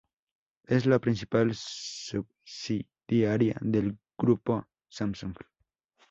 Es la principal subsidiaria del Grupo Samsung.